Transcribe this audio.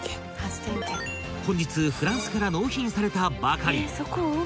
［本日フランスから納品されたばかり］